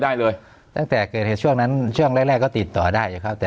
ได้เลยตั้งแต่เกิดเหตุช่วงนั้นช่วงแรกแรกก็ติดต่อได้ครับแต่